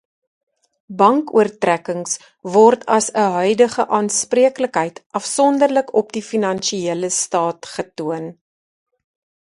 Bankoortrekkings word as 'n huidige aanspreeklikheid afsonderlik op die finansiële staat getoon.